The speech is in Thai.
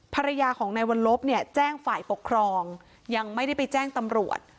ภรรยาของในวันลบเนี่ยแจ้งฝ่ายปกครองยังไม่ได้ไปแจ้งตำรวจ